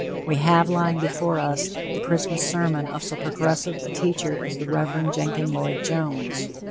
We have, lying before us, the Christmas sermon of so progressive a teacher as the Rev. Jenkin Lloyd Jones.